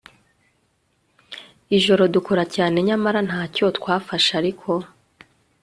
ijoro dukora cyane nyamara nta cyo twafashe ariko